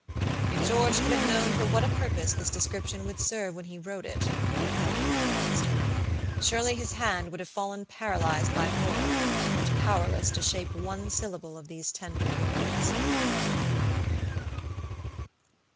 "If George could have known for what a purpose this description would serve when he wrote it," thought the young barrister, "surely his hand would have fallen paralyzed by horror, and powerless to shape one syllable of these tender words."